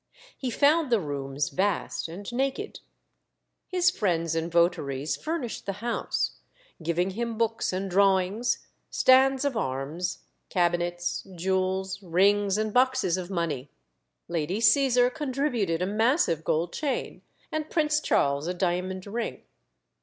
He found the rooms vast and naked. His friends and votaries furnished the house, giving him books and drawings, stands of arms, cabinets, jewels, rings, and boxes of money. Lady Cæsar contributed a massive gold chain, and Prince Charles a diamond ring.